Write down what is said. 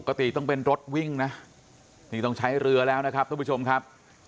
ต้องเป็นรถวิ่งนะนี่ต้องใช้เรือแล้วนะครับทุกผู้ชมครับ